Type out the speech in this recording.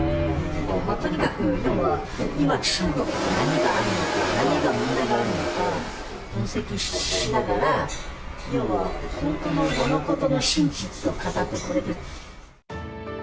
とにかく要は、今、中国で何があって何が問題なのか分析しながら、要は本当の物事の真実を語ってくれてる。